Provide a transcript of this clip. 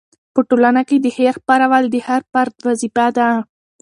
په ټولنه کې د خیر خپرول د هر فرد وظیفه ده.